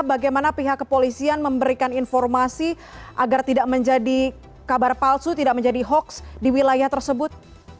bagaimana pihak kepolisian memberikan informasi agar tidak menjadi kabar palsu tidak menjadi hoax di wilayah tersebut